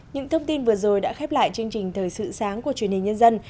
những thông tin vừa rồi đã khép lại chương trình thời sự sáng của truyền hình nhân dân